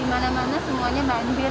di mana mana semuanya banjir